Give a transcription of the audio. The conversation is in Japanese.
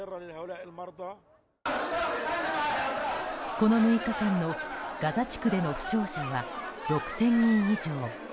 この６日間のガザ地区での負傷者は６０００人以上。